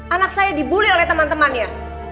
anak saya dibully oleh teman temannya